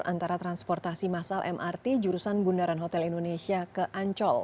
antara transportasi masal mrt jurusan bundaran hotel indonesia ke ancol